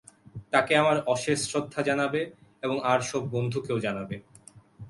তাঁকে আমার অশেষ শ্রদ্ধা জানাবে এবং আর সব বন্ধুকেও জানাবে।